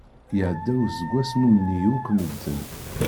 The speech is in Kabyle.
Iɛedda useggas nummen-iyi akk medden.